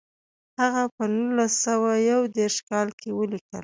هغه په نولس سوه یو دېرش کال کې ولیکل.